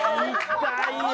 ・痛いよ。